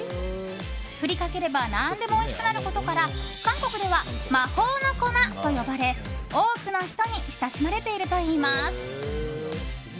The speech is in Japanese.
振りかければ何でもおいしくなることから韓国では魔法の粉と呼ばれ多くの人に親しまれているといいます。